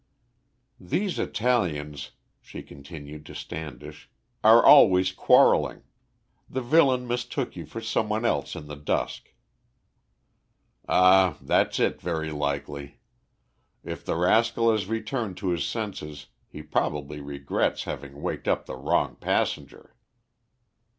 "These Italians," she continued to Standish, "are always quarrelling. The villain mistook you for some one else in the dusk." "Ah, that's it, very likely. If the rascal has returned to his senses, he probably regrets having waked up the wrong passenger."